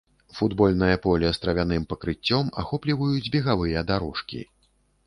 Футбольнае поле з травяным пакрыццём ахопліваюць бегавыя дарожкі.